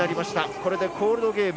これでコールドゲーム。